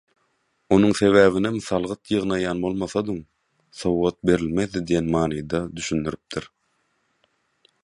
Onuň sebäbinem salgyt ýygnaýan bolmasadyň, sowgat berilmezdi diýen manyda düşündiripdir.